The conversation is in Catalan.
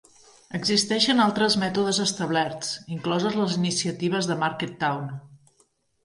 Existeixen altres mètodes establerts, incloses les iniciatives de Market Town.